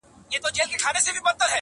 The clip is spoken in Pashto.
کومول هم د څه انعام لپاره تم سو٫